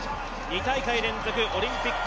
２大会連続オリンピック２